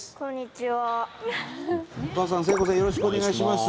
よろしくお願いします。